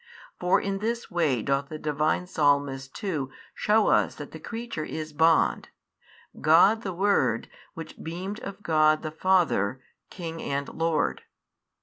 in this way doth the Divine Psalmist too shew us that the creature is bond, God the Word which beamed of God the Father King and Lord.